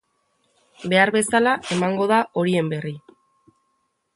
Behar bezala emango da horien berri.